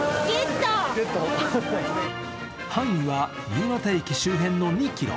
範囲は新潟駅周辺の２ｋｍ。